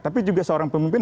tapi juga seorang pemimpin